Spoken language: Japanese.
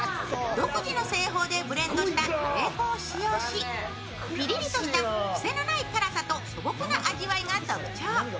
独自の製法でブレンドしたカレー粉を使用しピリリとしたクセのない辛さと素朴な味わいが特徴。